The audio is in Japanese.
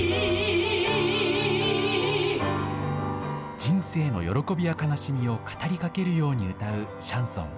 人生の喜びや悲しみを語りかけるように歌うシャンソン。